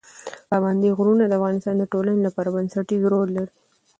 پابندي غرونه د افغانستان د ټولنې لپاره بنسټیز رول لري.